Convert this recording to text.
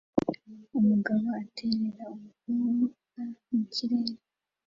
Umugabo aterera umukobwa mukirere